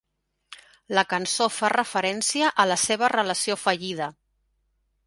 La cançó fa referència a la seva relació fallida.